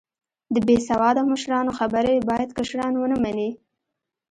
د بیسیواده مشرانو خبرې باید کشران و نه منې